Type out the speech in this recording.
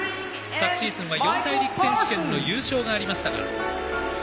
昨シーズンは四大陸選手権の優勝がありました。